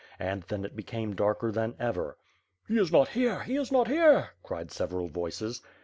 And, then it be came darker than ever. "He is not here, he is not here," cried several voices.